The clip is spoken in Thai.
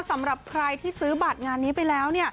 สำหรับใครที่ซื้อบัตรงานนี้ไปแล้ว